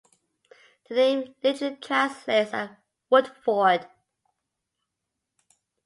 The name literally translates as "Wood Ford".